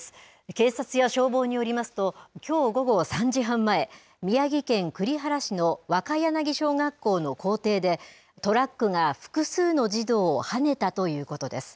警察や消防によりますときょう午後３時半前宮城県栗原市の若柳小学校の校庭でトラックが複数の児童をはねたということです。